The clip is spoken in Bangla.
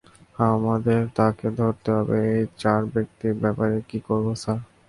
আমাদের তাকে ধরতে হবে এই চার ব্যক্তির ব্যাপারে কী করবো স্যার?